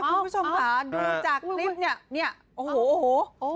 คุณผู้ชมค่ะดูจากคลิปนี้โอ้โห